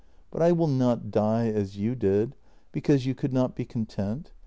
But I will not die as you did, because you could not be content.